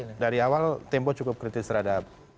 ya dari awal tempo cukup kritis terhadap